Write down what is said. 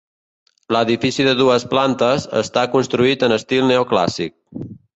L'edifici de dues plantes, està construït en estil neoclàssic.